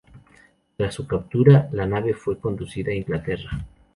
Tras su captura la nave fue conducida a Inglaterra.